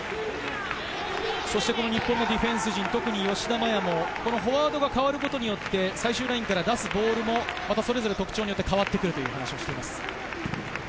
日本のディフェンス陣、吉田麻也もフォワードが代わることによって、最終ラインから出すボールもそれぞれの特徴によって変わってくると話しています。